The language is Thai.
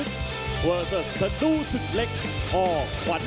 สวัสดีทุกคน